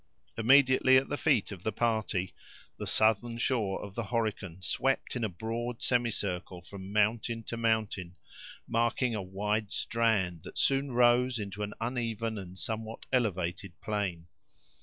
Immediately at the feet of the party, the southern shore of the Horican swept in a broad semicircle from mountain to mountain, marking a wide strand, that soon rose into an uneven and somewhat elevated plain.